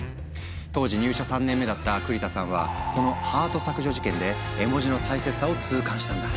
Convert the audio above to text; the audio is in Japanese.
当時入社３年目だった栗田さんはこのハート削除事件で絵文字の大切さを痛感したんだ。